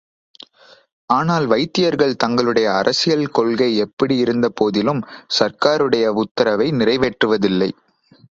ஆனால் வைத்தியர்கள் தங்களுடைய அரசியல் கொள்கை எப்படியிருந்போதிலும், சர்க்காருடைய உத்தரவை நிறைவேற்றுவதில்லை.